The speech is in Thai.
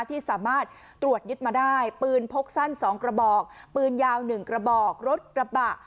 ที่สามารถตรวจยึดมาได้ปืนพกสั้น๒กระบอกปืนยาว๑กระบอกรถกระบะ